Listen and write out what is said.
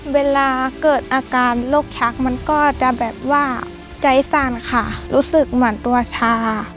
เวลาเกิดอาการโรคชักมันก็จะแบบว่าใจสั่นค่ะรู้สึกเหมือนตัวชา